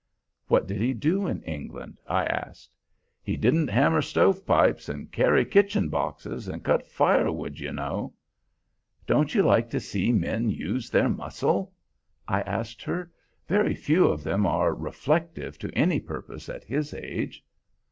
"What did he do in England?" I asked. "He didn't hammer stovepipes and carry kitchen boxes and cut fire wood, you know." "Don't you like to see men use their muscle?" I asked her. "Very few of them are reflective to any purpose at his age."